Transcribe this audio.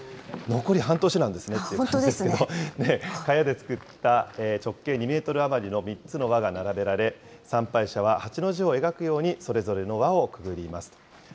残り半年なんですねって感じですけど、かやで作った直径２メートル余りの３つの輪が並べられ、参拝者は８の字を描くようにそれぞれの輪をくぐります。